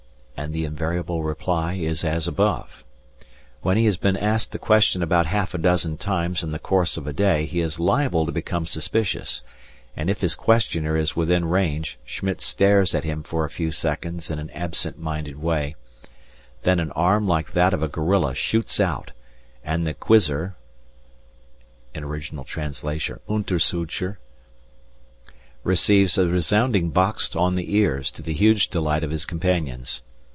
and the invariable reply is as above. When he has been asked the question about half a dozen times in the course of a day, he is liable to become suspicious, and if his questioner is within range Schmitt stares at him for a few seconds in an absent minded way, then an arm like that of a gorilla shoots out, and the quizzer (Untersucher) receives a resounding box on the ears to the huge delight of his companions.